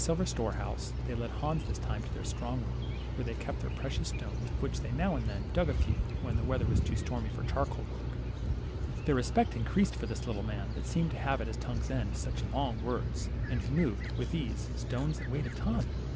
silver store house, they led Hans this time to their strong room, where they kept their precious stones, of which they now and then dug a few when the weather was too stormy for charcoal work. LITTLE HANS. 39 Their respect had increased for this little man that seemed to have at his tongue's end such long words, and who moved, with ease, stones that weighed a ton